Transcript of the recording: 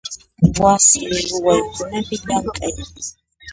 Wasi ruwaykunapi llamk'ay.